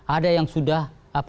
ada yang sudah